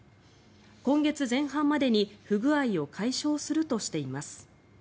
今月前半までに不具合を解消するとしています。